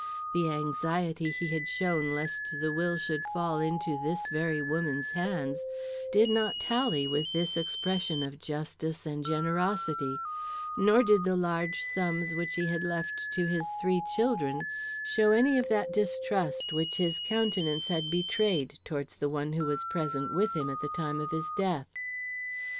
The anxiety he had shown lest the will should fall into this very woman's hands, did not tally with this expression of justice and generosity, nor did the large sums which he had left to his three children show any of that distrust which his countenance had betrayed towards the one who was present with him at the time of his death.